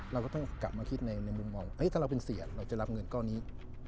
เราก็ต้องกลับมาคิดในมุมมองถ้าเราเป็นเสียเราจะรับเงินก้อนนี้